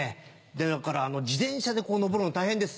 だから自転車で上るの大変です。